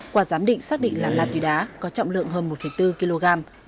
qua giám định xác định là ma túy đá có trọng lượng hơn một bốn kg